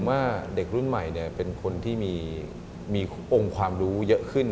ว่าเด็กรุ่นใหม่เป็นคนที่มีองค์ความรู้เยอะขึ้น